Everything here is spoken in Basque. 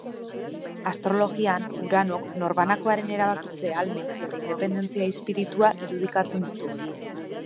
Astrologian, Uranok, norbanakoaren erabakitze ahalmena eta independentzia izpiritua irudikatzen ditu.